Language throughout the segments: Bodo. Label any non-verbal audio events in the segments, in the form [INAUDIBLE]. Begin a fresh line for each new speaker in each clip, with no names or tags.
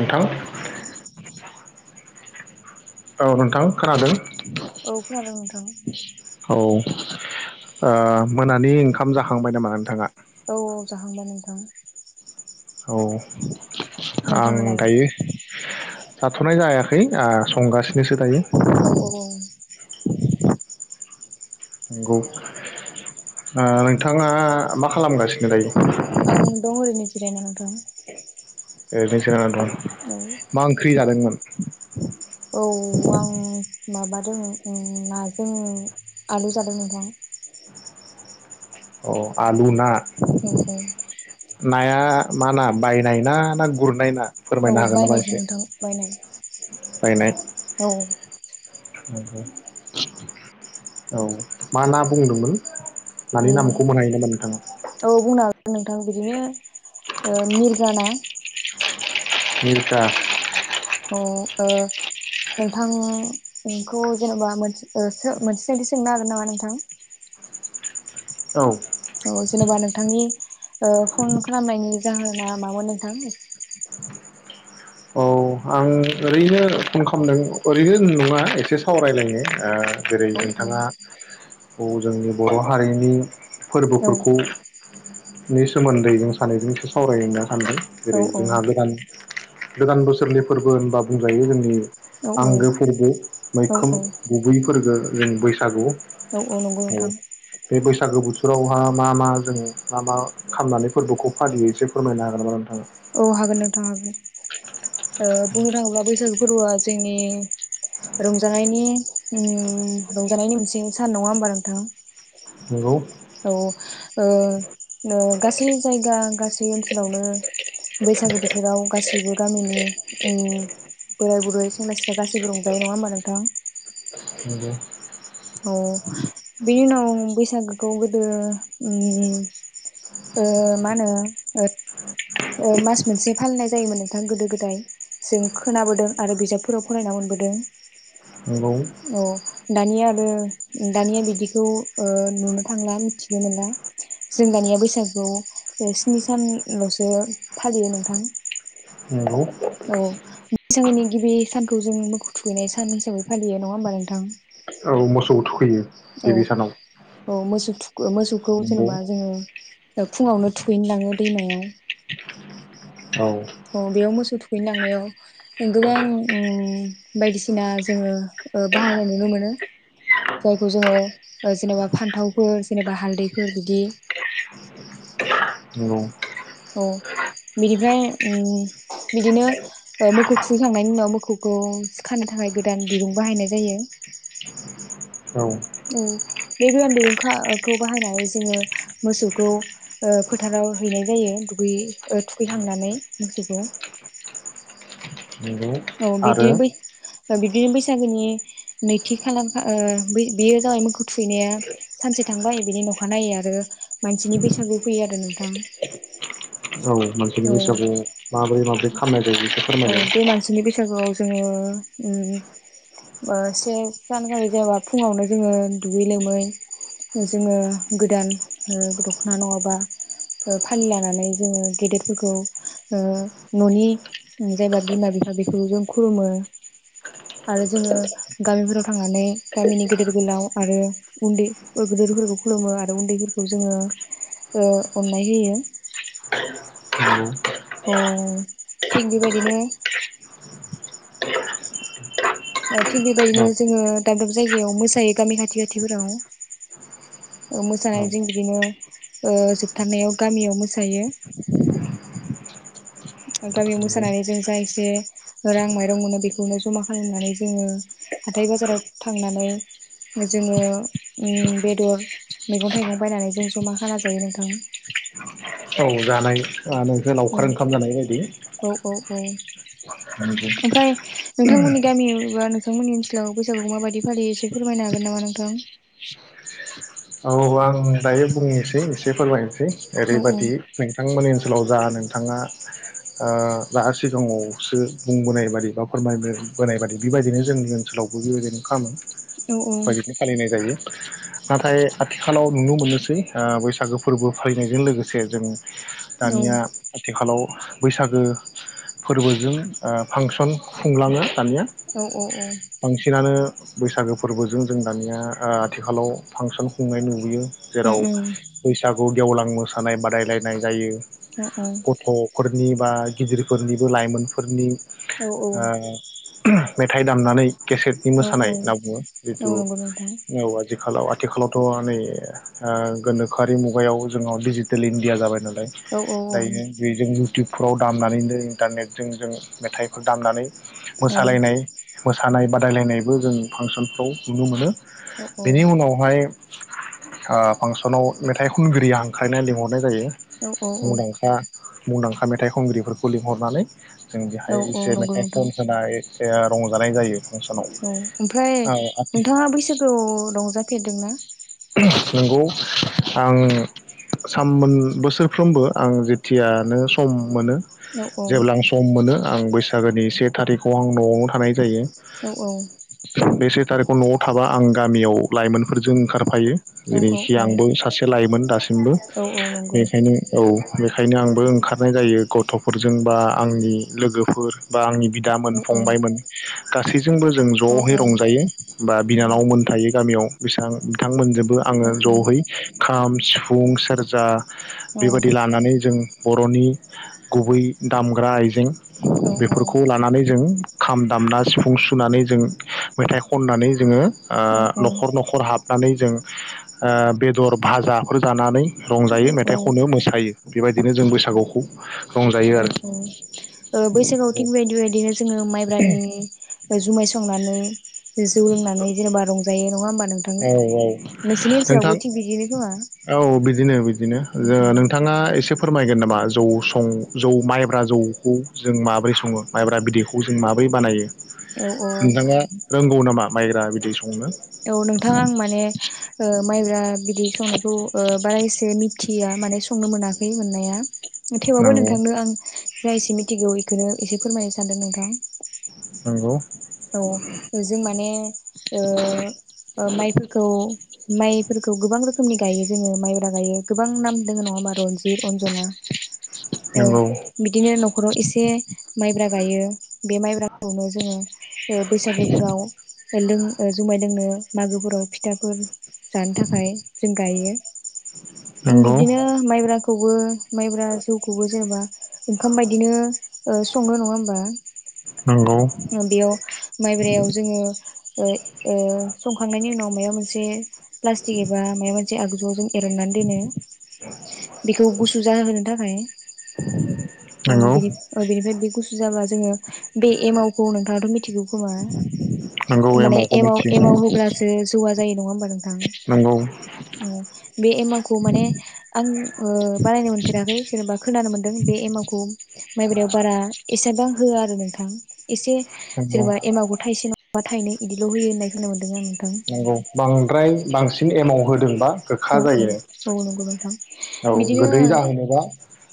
नोंथां औ नोंथां खोनादों
औ खोनादों नोंथां
औ ओ मोनानि ओंखाम जाखांबाय नामा नोंथाङा?
औ औ जाखांबाय नोंथां ।
औ । आं
नोंथाङालाय
दायो जाथ'नाय जायाखै संगासिनोसो दायो ।
औ औ ।
नंगौ ओ नोंथाङा मा खालामगासिनो दायो?
आं दं ओरैनो जिरायनानै । दं ।
ओरैनो जिरायना दं । मा ओंख्रि जादोंमोन?
औ आं माबादों नाजों आलु जादों नोंथां ।
अ आलु ना ।
औ औ ।
नाया मा ना बायनायना ना गुरनाय ना?
औ
फोरमायनो हागोन नामा
बायनायसो
एसे
नोंथां बायनाय ।
बायनाय ।
औ ।
औ मा ना बुंदोंमोन? मानि
उम
नामखौ मोनायो नामा नोंथाङा?
औ बुंनो हागोन नोंथां बिदिनो मिरगा ना ।
मिरगा।
अ ओ नोंथांखौ जेन'बा ओ मोनसे सोंथि सोंनो हागोन नामा नोंथां?
औ ।
औ जेन'बा नोंथांनि फन खालामनायनि जाहोना मामोन नोंथां?
औ आं ओरैनो फन खालामदों ओरैनो नङा एसे सावरायलायनो ओ जेरै
औ औ
नोंथाङा औ जोंनि बर' हारिनि
औ
फोरबोफोरखौ नि सोमोन्दै जों सानैजों एसे सावरायना सान्दों जेरै जोंहा गोदान गोदान बोसोरनि फोरबो होनबा बुंजायो जोंनि
औ
आंगो फोरबो
औ
मैखोम गुबैफोरबो जों बैसागु
औ औ नंगौ नोंथां ।
बे बैसागो बोथोरावहा मा मा जों मा मा खालामनानै फोरबोखौ फालियो एसे फोरमायनो हागोन नामा नोंथाङा?
औ हागोन नोंथां हागोन ओ बुंनो थाङोब्ला बैसागु फोरबो आ जोंनि रंजानायनि उम रंजानायनि मोनसे दिनै सान नङा होमबा नोंथां?
नंगौ
औ ओ ओ गासै जायगा गासै ओनसोलावनो बैसागो बोथोराव गासैबो गामिनि उम दायो नङा होमबा नोंथां
नंगौ
अ बेनि उनाव बैसागोखौ गोद दो ओम ओ मा होनो ओ ओ मास मोनसे फालिनाय जायोमोन नोंथां गोदो गोदाय जों खोनाबोदों आरो बिजाबफोराव फरायना मोनबोदों।
नंगौ
औ दानिया आरो दानिया बिदिखौ ओ नुनो थांला मिथिनो मोनला जों दानिया बैसागुखौ स्नि सानल'सो फालियो नोंथां।
नंगौ
औ बैसागोनि गिबि सानखौ जों मोखौ थुखैनाय सान हिसाबै फालियो नङा होमबा नोंथां।
औ मोसौ थुखैयो।
औ
गिबि सानाव
औ मोसौ थु मोसौखौ
नंगौ
जेनबा जोङो ओ फुङावनो थुखैनो लाङो दैमायाव
औ
अ बेयाव मोसौ थुखैनोलांनायाव गोबां ओम बायदिसिना जोङो बाहायनाय नुनो मोनो जायखौ जोङो जेनेबा फान्थावफोर जेनेबा हालदैफोर बिदि
नंगौ
औ बिनिफ्राय उम बिदिनो मोखौ खुखैखांनायनि उनाव मोखौखौ सि खानो थाखाय गोदान दिरुं बाहायनाय जायो।
औ
औ बे गोदान दिरुंखाखौ बाहायनानै जोङो मोसौखौ फोथाराव हैनाय जायो दुगै ओ थुखैखांनानै मोसौखौ।
नंगौ
औ
आरो
बिदिनो बै बिब्दिनो बैसागोनि नैथि खालारखौ ओ बै बेयो जाबाय मोखौ थुखैनाया सानसे थांबाय बिनि अखानायै आरो मानसिनि बैसागु फैयो आरो नोंथा।
औ मानसिनि बैसागुआव माबोरै माबोरै खामनाय
अ बे मानसिनि बेैसागुआव जोङो से जानुवारि जाबा फुङावनो जोङो दुगै लोमै जोङो गोदान दख'ना नङाबा फालि लानानै जोङो गेदेरफोरखौ न'नि जायबा बिमा बिफा बेखौ जों खुलुमो आरो जोङो गामिफोराव थांनानै गामिनि गेदेर गोलाव आरो उन्दै गेदेरफोरखौ खुलुमो आरो उन्दैफोरखौ जोङो अननाय होयो।
नंगौ
अ थिग बेबायदिनो थिग
औ
बेबायदिनो जोङो दाब दाब जायगायाव मोसायो गामि खाथि खाथिफोराव
औ
मोसानानै जों बिदिनो जोबथारनायाव गामियाव मोसायो गामियाव
नंगौ
मोसानानै जों जा एसे रां माइरं मोनो बेखौनो जमा खालामनानै जोङो हाथाय बाजाराव थांनानै जोङो बेदर मैगं थाइगं बायनानै जों जमा खाना जायो नोंथां।
औ जानाय आ नोंसोर
औ
लावखार ओंखाम जानाय बायदि
औ औ औ
नंगौ
ओमफ्राय नोंथांमोननि गामि बा नोंथांमोननि ओनसोलाव बैसागुखौ माबायदि फालियो एसे फोरमायनो हागोन नामा नोंथां?
औ आं दायो बुंनोसै एसे फोरमायनोसै।
औ औ
ओरैबायदि नोंथांमोननि ओनस ओनसोलाव जा नोंथाङा ओ जा सिगाङावसो बुंबोनाय बादि बा फोरमाय बोनाय बादि बेबायदिनो जोंनि ओनसोलावबो बेबायदिनो खालामो
औ
। बायदिनो फालिनाय जायो । नाथाय आथिखालाव नुनो मोननोसै ओ बैसागो फोरबो फालिनायजों लोगोसे जों दानिया आथिखालाव बैसागो फोरबोजों ओ फांसन खुंलाङो । दानिया
औ औ
बांसिनानो बैसागो फोरबोजों जों दानिया ओ आथिखालाव फांसन खुंनाय नुबोयो ।
उम
जेराव
उम
बैसागु खौ गेवलां मोसानाय बादायलायनाय जायो
औ औ
। गथ'फोर नि बा गिदिरफोरनिबो लाइमोनफोरनि
औ औ
ओ मेथाइ दामनानै केसेटनि मोसानाय होनना बुङो जिहेथु
नंगौ नोंथां
औ आजिखालाव आथिखालाव थ' नै ओ गोनोखोआरि मुगायाव जोंनाव डिजिटेल इण्डिया जाबाय नालाय
औ औ
।
औ
दायो बेजों इउटिब फ्राव दामनानैनो इन्टारनेटजों जों मेथाइखो दामनानै
औ
मोसालायनाय मोसा सानाय बादायलायनायबो जों फांसनफ्राव नुनो मोनो ।
औ
बेनि उनावहाय ओ फांसनाव मेथाइ खनगिरि हांख्रायनाय लिंहरनाय जायो
औ औ
। मुंदांखा मुंदांखा मेथाइ खनगिरिफोरखौ लिंहरनानै जों बेहाय
औ
एसे
नंगौ
मेथाइ
नोंथां
खनहोनाय जोंहा रंजानाय जायो ।
औ ओमफ्राय नोंथाङा बैसागुआव रंजाफेरदों ना?
नंगौ आं साममोन बोसोरफ्रोबो आं जेथियानो सम मोनो
औ औ
जेब्ला आं सम मोनो आं बैसागोनि से थारिखआव आं न'आव थानाय जायो ।
औ औ
थारिक न'आव थाबा आं गामियाव लाइमोन फोरजों ओंखारफायो ।
औ
ओरैनोसै
औ
आंबो सासे लायमोन दासिमबो
औ औ नंगौ
बेनिखायनो औ बेखायनो आंबो ओंखारनाय जायो गथ'फोरजों बा आंनि लोगोफोर बा आंनि बिदामोन
औ औ
फंबायमोन गासै जोंबो जों
औ
ज'है रंजायो बा बिनानावमोन थायायो गामियाव बिसां बिथांमोन जोब बो आङो
औ
जहै खाम सिफुं सेरजा
औ
बेबायदि लानानै जों बर'नि गुबै दामग्रा आइजें
औ
बेफोरखौ लानानै जों खाम दामना सिफुं सुनानै जों मेथाइ खननानै जोङो
औ
न'खर न'खर हाबनानै जों बेदर भाजाफोर जानानै रंजायो
औ औ
मेथाइ खननो मोसायो बेबायदिनो जों बैसागुखौ रंजायो
बैसागआव
आरो
थिग बदि बदिनो जोङो माइब्रानि जुमाय संनानै जौ लोंनानै जेनेबा रंजायो नङामोन
औ औ नोंथां
थिग बिदिनो खोमा
औ बिदिनो बिदिनो
उम उम
नोंथाङा एसे फोरमायगोन नामा जौ सं जौ माइब्रा जौखौ जों माबोरै सङो माइब्रा बिदैखौ जों माबोरै बानायो
औ औ
नोंथाङा रोंगौ नामा माइग्रा बिदि संनो
औ नोंथां आं माने माइब्रा बिदै संनायखौ बारा एसे मिथिया माने संनो मोना बे मोननाया थेवबो
नंगौ
नोंथांनो आं जाय एसे मिथिगौ बेखौनो एसे फोरमायनो सानदों नोंथां
नंगौ
औ जों माने ओ माइफोरखौ माइफोरखौ गोबां रोखोमनि रोखोमनि गायो जोङो माइब्रा गायो गोबां नाम दङ नङा होनबा रनजित अन्जना
नंगौ
बिदिनो न'खराव एसे माइब्रा गायो बे माइब्राखौनो जोङो बैसागोफोराव लों जुमाय जोंङो मागोफोराव फिथाफोर जानो थाखाय जों गायो
नंगौ
बिदिनो माइब्राखौ सौवो। माइब्रा जौखौबो जेनेबा ओंखाम बायदिनो सङो नङा होमबा?
नंगौ
बेयाव माइब्रायाव जोङो ओ ओ संखांनायनि उनाव माबा मोनसे प्लास्टिक एबा माबा मोनसे आगजुआव जों एरननानै दोनो बेखौ गुसु जाहोनो थाखाय ओं
नंगौ
बेनि बिनिफ्राय बे गुसु जाबा जोङो बे एमावखौ नोंथाङाथ' मिथिगौ खोमा
नंगौ
माने
एमावखौ
एमाव
मिथियो
एमाव होब्लासो जौवा जायो नङा होनबा? नोंथां
नंगौ
उम। बे एमावखौ माने आं ओ बानायनो मोनफेराखै जेनेबा खोनानो मोनदों बे एमाव गम माइब्रायाव बारा एसेबां होआ आरो नोंथां एसे
नंगौ
जेनेबा एमावखो थाइसे नङाबा थाइनै बिदिल' होयो होननाय होनोमोन। [UNINTELLIGIBLE]
नंगौ बांद्राय बांसिन एमाव होदोंबा गोखा
औ
जायो
औ नंगौ नोंथां
औ
बिदिनो
गोदै जाहोनोबा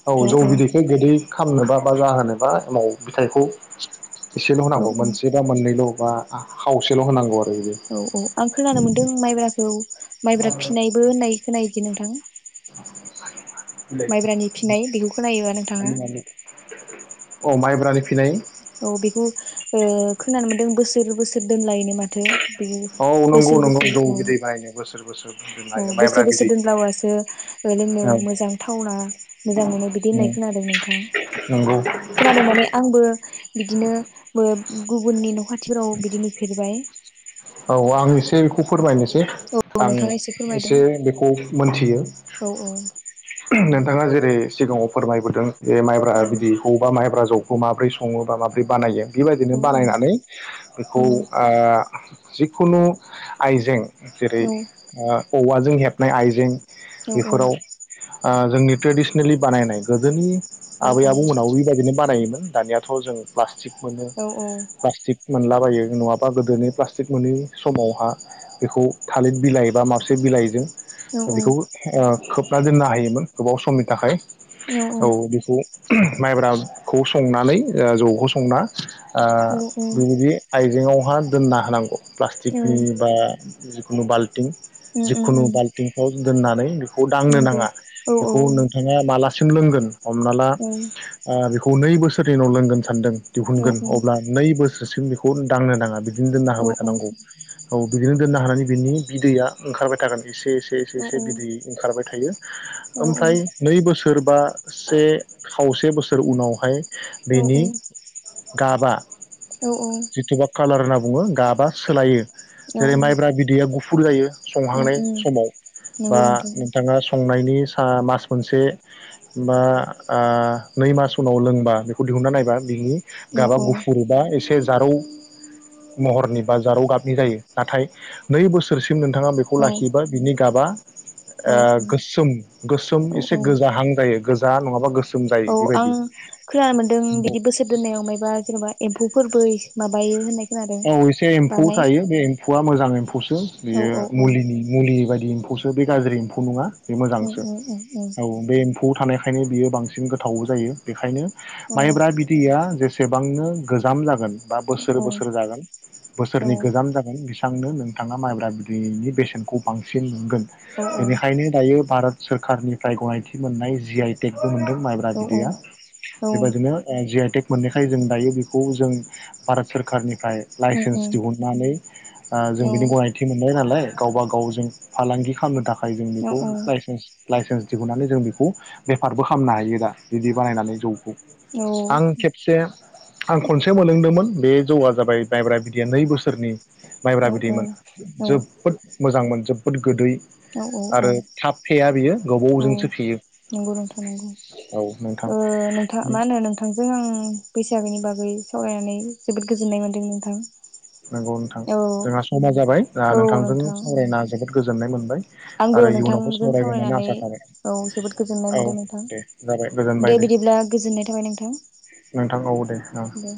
औ जौ बिदैखौ गोदै खामनोबा बा जाहोनोबा एमाव फिथाइखौ एसेल'
औ
होनांगौ मोनसे बा मोननैल' बा खावसेल' होनांगौ आरो बिदि
औ औ आं खोनानो मोन्दों माइब्राखौ माइब्रा फिनायबो होननाय खोनायो। बिदि नोंथां
[INAUDIBLE]
माइब्रानि फिनाय बेखौ खोनायोबा नोंथाङा
अ माइब्रानि फिनाय
औ बेखौ ओ खोनानो मोनदों बोसोर बोसोर दोनलायनो माथो बे
औ नंगौ
बोसोर
नंगौ
बोसोर
जौ
औ
बिदै बायनो बोसोर बोसोर दोननो
औ
हायो
बोसोर
माइब्रा
बोसोर
बिदै
दोनब्लासो ओ लोंनो
औ
मोजां थावना मोजां मोनो बिदि होननाय खोनादों नोंथां
नंगौ
खोनादों माने आंबो बिदिनो ओ गुबुननि न' खाथिफोराव बिदि नुफेरबाय
औ आं एसे बेखौ फोरमायनोसै
औ
आं
नोंथाङा
एसे
फोरमायदों
बेखौ मोनथियो।
औ औ
नोंथाङा जेरै सिगाङाव फोरमायबोदों बे माइब्रा बिदैखौ बा माइब्रा जौ खौ माबोरै सङो बा माब्रै बानायो
औ
बेबायदिनो बानायनानै
औ
बेखौ आ जिखुनु आइजें जेरै ओ औवाजों हेबनाय आइजें
औ औ
आ जोंनि ट्रेडिसनेलि बानायनाय गोदोनि आबै आबौ मोनाबो बेबायदिनो बानायोमोन दानियाथ' जों प्ला स्टिक मोनो प्लाष्टिक मोन्ला यो नङाबा गोदोनि प्लास्टिक मोनै समावहा बेखौ थालिर बिलाइ बा मार्सिट बिलाइजों
औ
बेखौ ओ खोब ना दोननो हायोमोन गोबाव समनि थाखाय औ बेखौ माइब्रा खौ संनानै ओ जौ खौ संना आ
उम उम उम
बेबायदि आइजेंआव दोनना हानांगौ प्लास्टिकनि बा खुनु बाल्टिं जिखुनु बाल्टिंफ्राव जों दोननानै खौ दांनो
नंगौ
नाङा
औ औ
बेखौ नोंथाङा माला सोंलोंगोन हमनाला
औ
ओ बे खौ नै बोसोरनि उनाव लोंगोन सानदों
औ
दिहुनगोन अब्ला नै बोसोर सिम बेखौ दांनो नाङा बिदि बिदिनो दोनना होबाय थानांगौ औ बिदिनो दोननो हानानै बिनि बिदैया ओंखारबाय थागोन एसे एसे एसे एसे बिदै ओंखारबाय थायो ओमफ्राय नै बोसोर बा से खावसे बोसोर उनावहाय
औ
बेनि
औ
गाबा
औ औ
जिथुबा कालार होनना बुङो गाबा सोलायो
औ उम
जेरै माइब्रा बिदैया गुफ फुर जायो। संहांनाय
उम
समाव
नंगौ
बा
नोंथां
नोंथाङा संनाय नि सा मास मोनसे बा ओ नै मास उनाव लोंबा बेखौ दिहुनना नायबा बि
औ
गाबा
औ
गुफुर बा एस जारौ महरनि बा जारौ गाबनि जायो नाथाय नै बोसोरस सिम नोंथाङा बेखौ
औ
लाखिबा बिनि गाबा
औ
ओ गोसोम गोसोम
औ
एसे
औ
गोजाहां जायो गोज जा नङाबा गोस
औ आं खोनानो मोनदों बिदि बोस दोननायाव मायबा जेनबा एम्फौ फोरबोय माबायो होननाय खोनादों
औ एसे एम्फौ
बानाय
थायो बे एम्फौआ मोजां एम्फौस [UNINTELLIGIBLE]
औ
बेयो
औ औ
मुलिनि मुलि बादि फौसो बे गाज्रि एम्फौ नङा। बे
औ
मोजांसो
औ
औ बे फौ थानायखायनो बियो बांसिन गोथाव जायो बेखायनो माइब्रा बिदैया जेस सेबांनो गोजाम जागोन बा बोसोर बोस सोर जागोन बोसोरनि गोजाम जागोन बिस थांनो नोंथाङा माइब्रा बिदैनि बेसेनखौ बांसिन मोनगोन। बेनिखायनो दायो भारत सोरखारनिफ्राय गनायथि मोननाय जि आइ टेक मोनदों माइब्रा
औ
बिदैया
औ
बेबादिनो ओ जि आइ टेक मोननायखाय जों दायो बेखौ जों भारोत सोर कारनि फ्राय
उम
लाइसेन्स
उम
दिहुननानै ओ
औ
जों बिनि गनायथि मोनबाय नालाय गावबा गावजों फालांगि खामनो थाख फाय जों
औ
बेखौ लाइसेन्स लाइसेन्स दिहुननानै जों बेखौ बेफारबो खामनो हायो दा बिदि बानायनानै जौखौ आं
औ
खेबसे आं खनसे मोनलोंदोंमोन बे जौआ जाबाय मायब्रा बिदैया नै बोसोरनि माइब्रा बिदैमोन जोबोद मोजांमोन जोब बुहुबद गोदै
औ औ औ
आरो थाब फेया बियो
औ
गोबावजोंसो फेयो
नोंगौ नोंथां नोंगौ
औ नोंथां
ओ नोंथां मा होनो नोंथांजों आं बैसागोनि बागै सावरायनानै जोबोद गोजोननाय मोन्दों नोंथां
नोंगौ नोंथां
औ
जोंहा समा जाबाय दा
औ
नोंथांजों
नोंथां
सावरायना जोबोद गोजोननाय मोनबाय
आंबो
आरो इयुनावबो
नोंथांजों
सावरायगोन होननानै
सावरायनानै
आसा थाबाय
औ जोबोद गोजोननाय
औ
मोनदों नोंथां
दे जाबाय गोजोनबाय
दे बिदिब्ला गोजोननाय थाबाय नोंथां
नोंथां औ दे औ
दे ।